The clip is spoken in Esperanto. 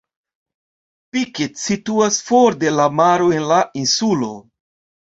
Pikit situas for de la maro en la insulo.